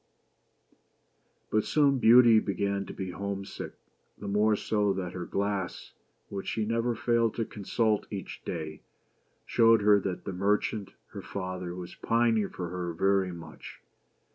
But soon Beauty began to be home sick ; the more so that her glass, which she never failed to consult each day, showed her that the merchant, her father, was pining for her very much.